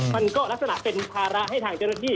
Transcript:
มันก็ลักษณะเป็นภาระให้ทางเจรฐี